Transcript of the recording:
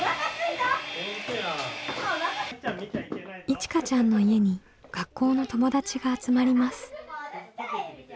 いちかちゃんの家に学校の友達が集まります。